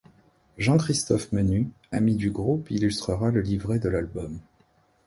Jean-Christophe Menu, ami du groupe, illustrera le livret de l'album.